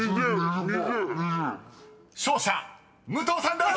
［勝者武藤さんです！］